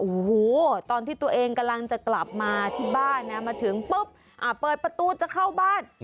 โอ้โหตอนที่ตัวเองกำลังจะกลับมาที่บ้านนะมาถึงปุ๊บเปิดประตูจะเข้าบ้าน